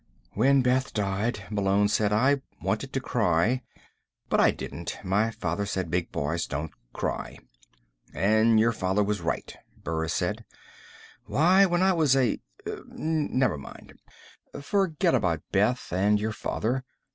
"When Beth died," Malone said, "I wanted to cry. But I didn't. My father said big boys don't cry." "And your father was right," Burris said. "Why, when I was a ... never mind. Forget about Beth and your father.